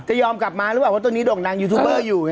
จะยอมกลับมาหรือเปล่าว่าตัวนี้ดอกนางยูทูบเบอร์อยู่ไง